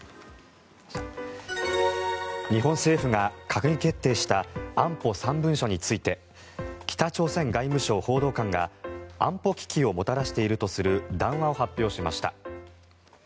日本政府が閣議決定した安保３文書について北朝鮮外務省報道官が安保危機をもたらしているとする談話を発表しました。